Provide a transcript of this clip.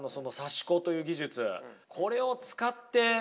これを使ってね